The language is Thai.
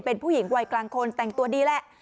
เป็นผู้หญิงวัยกลางคนแต่งตัวดีแหละ